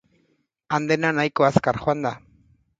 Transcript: Han dena nahiko azkar joan da.